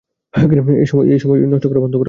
এই সময় নষ্ট করা বন্ধ কর!